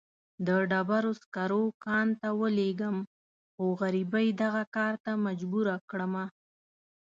د ډبرو سکرو کان ته ولېږم، خو غريبۍ دغه کار ته مجبوره کړمه.